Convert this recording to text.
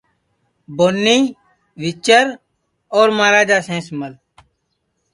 بونی، ویچر، اور مہاراجا سینس مل